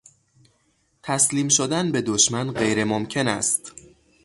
تسلیم شدن به دشمن غیر ممکن است.